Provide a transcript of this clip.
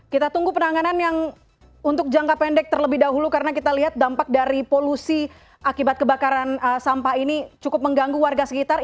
kita tunggu penanganan yang untuk jangka pendek terlebih dahulu karena kita lihat dampak dari polusi akibat kebakaran sampah ini cukup mengganggu warga sekitar